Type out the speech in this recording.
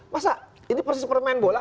masa ini persis permain bola